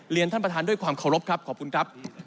เรียนท่านประธานด้วยความขอบครับขอบคุณครับ